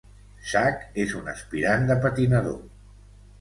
Zak és un aspirant de patinador.